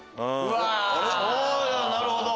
なるほど！